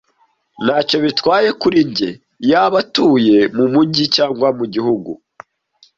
Ntacyo bitwaye kuri njye yaba atuye mumujyi cyangwa mugihugu.